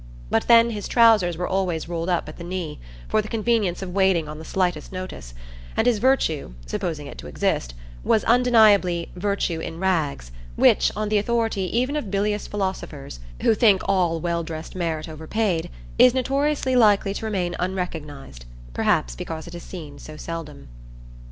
But then his trousers were always rolled up at the knee, for the convenience of wading on the slightest notice; and his virtue, supposing it to exist, was undeniably "virtue in rags," which, on the authority even of bilious philosophers, who think all well dressed merit overpaid, is notoriously likely to remain unrecognised (perhaps because it is seen so seldom).